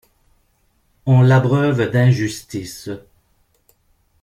On l'abreuve d'injustices!